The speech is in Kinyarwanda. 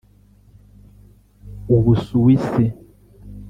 u Busuwisi